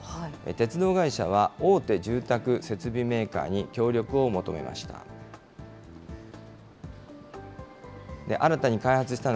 鉄道会社は、大手住宅設備メーカーに協力を求めました。